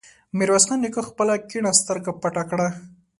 ميرويس خان خپله کيڼه سترګه پټه کړه.